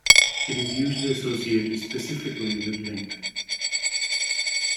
It is usually associated specifically with Link.